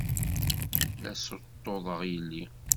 La ssuṭṭuḍeɣ yelli.